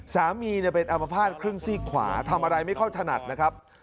สามีเป็นอัมพาตครึ่งซีกขวาทำอะไรไม่ค่อยถนัดนะครับ